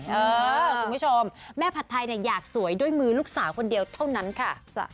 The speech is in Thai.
คุณผู้ชมแม่ผัดไทยอยากสวยด้วยมือลูกสาวคนเดียวเท่านั้นค่ะ